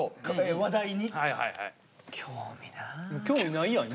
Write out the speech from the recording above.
興味ないやん今。